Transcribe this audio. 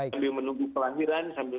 sambil menunggu kelahiran sambil